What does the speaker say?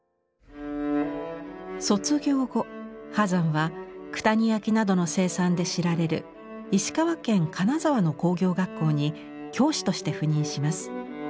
卒業後波山は九谷焼などの生産で知られる石川県金沢の工業学校に教師として赴任します。